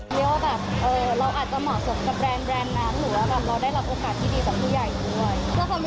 เรียกว่าแบบเราอาจจะเหมาะสมกับแบรนด์นั้นหรือว่าแบบเราได้รับโอกาสที่ดีจากผู้ใหญ่ด้วย